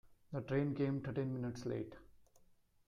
The train came thirteen minutes late.